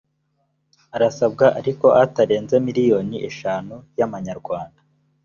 arasabwa ariko atarenze miliyoni eshanu y’amanyarwanda